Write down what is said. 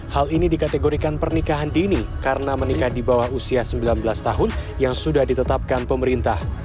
hal ini dikategorikan pernikahan dini karena menikah di bawah usia sembilan belas tahun yang sudah ditetapkan pemerintah